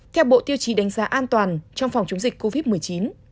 theo bộ tiêu chí đánh giá an toàn trong phòng chống dịch covid một mươi chín